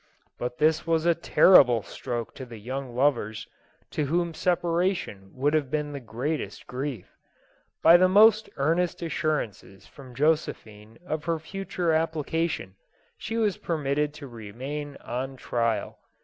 But this was a terrible stroke to the young lovers, to whom separation would have been the greatest grief. By the most earnest assurances from Josephine of her future application, she was permit ted to remain on trial.